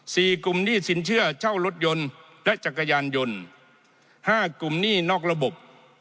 กลุ่มหนี้สินเชื่อเช่ารถยนต์และจักรยานยนต์ห้ากลุ่มหนี้นอกระบบ